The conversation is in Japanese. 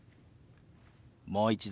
もう一度。